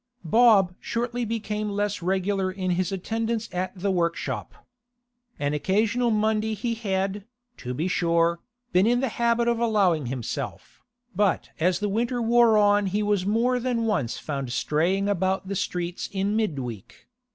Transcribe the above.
Bob shortly became less regular in his attendance at the workshop. An occasional Monday he had, to be sure, been in the habit of allowing himself, but as the winter wore on he was more than once found straying about the streets in midweek.